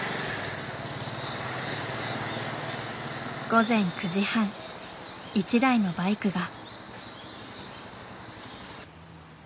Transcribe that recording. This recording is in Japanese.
午前９時半一台のバイクが。